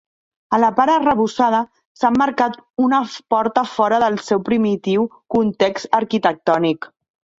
A la part arrebossada, s'ha emmarcat una porta fora del seu primitiu context arquitectònic.